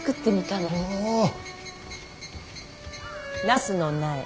ナスの苗。